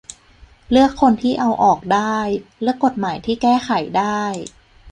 เลือกคนที่เอาออกได้ เลือกกฎหมายที่แก้ไขได้